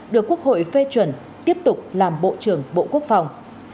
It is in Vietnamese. được quốc hội phê chuẩn tiếp tục làm bộ trưởng bộ quốc phòng